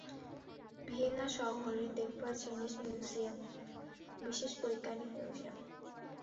Vienna শহরে দেখবার জিনিষ মিউজিয়ম, বিশেষ বৈজ্ঞানিক মিউজিয়ম।